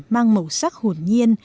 mang màu sắc hồn nhiên